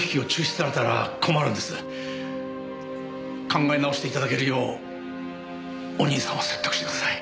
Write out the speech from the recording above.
考え直して頂けるようお兄さんを説得してください。